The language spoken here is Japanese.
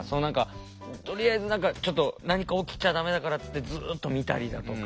とりあえずちょっと何か起きちゃ駄目だからっつってずっと見たりだとか。